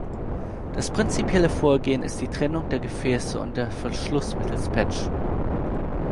Das prinzipielle Vorgehen ist die Trennung der Gefäße und der Verschluss mittels Patch.